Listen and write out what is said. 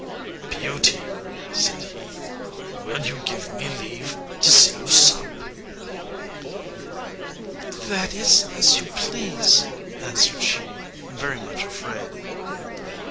"Beauty," said he, "will you give me leave to see you sup?" "That is as you please," answered she, very much afraid.